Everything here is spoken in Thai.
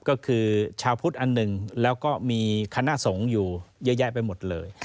ก็คือชาวพุทธอันหนึ่งแล้วก็มีคณะสงฆ์อยู่เยอะแยะไปหมดเลย